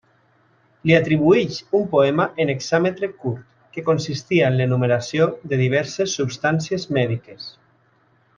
Li atribueix un poema en hexàmetre curt, que consistia en l'enumeració de diverses substàncies mèdiques.